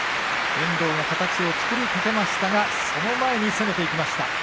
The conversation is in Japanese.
遠藤、形を作りかけましたがその前に攻めていきました